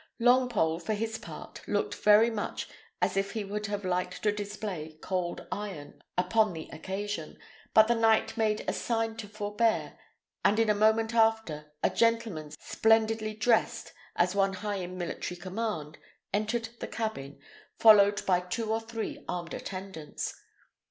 Longpole, for his part, looked very much as if he would have liked to display cold iron upon the occasion; but the knight made him a sign to forbear, and in a moment after, a gentleman splendidly dressed, as one high in military command, entered the cabin, followed by two or three armed attendants.